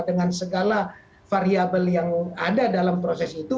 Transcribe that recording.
dengan segala variabel yang ada dalam proses itu